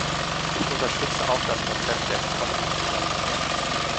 Ich unterstütze auch das Konzept der Konditionalität.